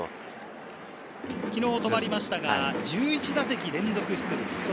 昨日止まりましたが１１打席連続出塁。